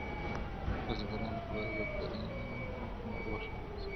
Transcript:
بزګرانو ته باید د کرنې نوي مهارتونه ور وښودل سي.